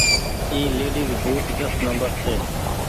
اي ليڊيز بوٽ ڏس نمبر ڇي۔